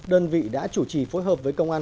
đơn vị đã chủ trì phối hợp với công an